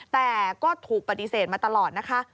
แต่ก็ถูกปฏิเสธมาตลอดนะคะ